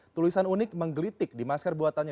tulisan unik menggelitik di masker buatannya